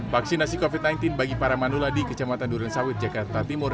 vaksinasi covid sembilan belas bagi para manuladi kecamatan durian sawit jakarta timur